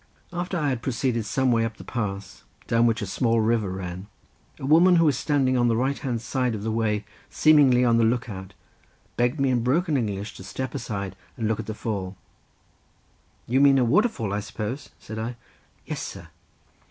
After I had proceeded some way up the pass down which a small river ran, a woman who was standing on the right hand side of the way, seemingly on the look out, begged me in broken English to step aside and look at the fall. "You mean a waterfall, I suppose?" said I. "Yes, sir."